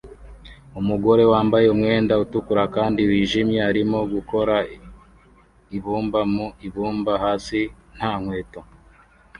Umugore wambaye umwenda utukura kandi wijimye arimo gukora ibumba mu ibumba hasi nta nkweto